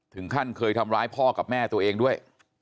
ถึงขั้นเคยทำร้ายพ่อกับแม่ตัวเองด้วย